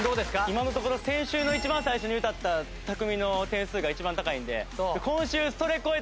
今のところ先週の一番最初に歌った拓実の点数が一番高いんで。